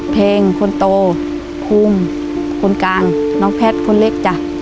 เพลงคนโตภูมิคนกลางน้องแพทย์คนเล็กจ้ะ